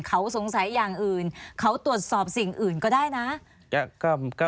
เขาสงสัยอย่างอื่นเขาตรวจสอบสิ่งอื่นก็ได้นะ